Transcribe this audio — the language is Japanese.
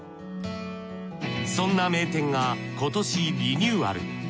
そんな名店が今年リニューアル。